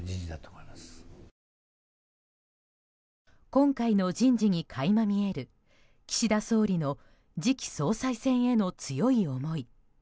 今回の人事に垣間見える岸田総理の次期総裁選への強い思い。